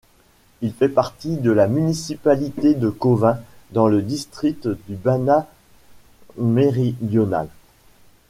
Il fait partie de la municipalité de Kovin dans le district du Banat méridional.